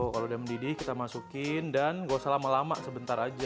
kalau udah mendidih kita masukin dan gak usah lama lama sebentar aja